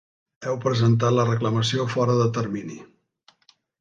Heu presentat la reclamació fora de termini.